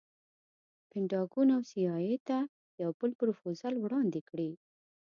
پنټاګون او سي ای اې ته یو بل پروفوزل وړاندې کړي.